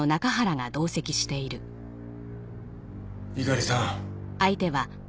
猪狩さん。